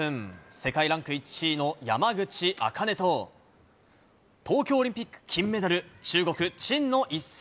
世界ランク１位の山口茜と、東京オリンピック金メダル、中国・陳の一戦。